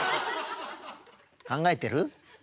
考えてる？